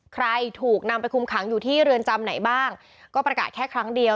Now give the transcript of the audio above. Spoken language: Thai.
ใครถูกนำไปคุมขังอยู่ที่เรือนจำไหนบ้างก็ประกาศแค่ครั้งเดียว